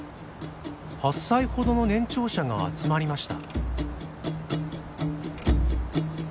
８歳ほどの年長者が集まりました。